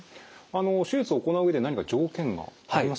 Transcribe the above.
手術を行う上で何か条件がありますか？